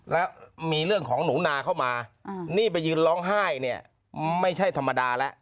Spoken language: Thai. แล้วมีเรื่องของหนูนาเข้ามานี่ไปยืนร้องไห้เนี่ยไม่ใช่ธรรมดาแล้ว